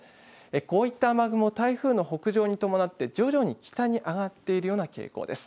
こういった雨雲、台風の北上に伴って徐々に北に上がっているような傾向です。